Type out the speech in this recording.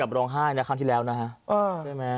กับร้องไห้นะครั้งที่แล้วนะฮะ